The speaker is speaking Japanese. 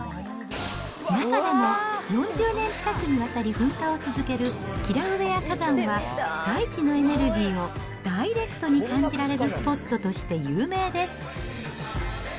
中でも４０年近くにわたり噴火を続ける、キラウエア火山は、大地のエネルギーをダイレクトに感じられるスポットとして有名です。